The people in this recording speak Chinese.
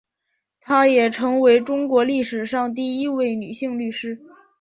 她也成为中国历史上第一位女性律师。